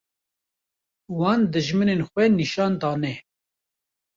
wan dijminên xwe nîşan dane